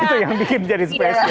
itu yang bikin jadi spesifik